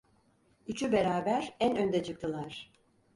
Üçü beraber en önde çıktılar.